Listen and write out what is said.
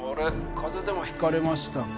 風邪でもひかれましたか？